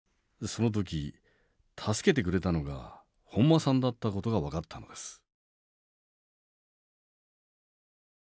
その時助けてくれたのが本間さんだった事が分かったのです。